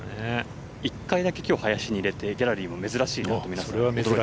１回だけきょう、林に入れてギャラリーも珍しいなと。